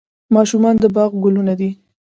ماشومان د باغ ګلونه دي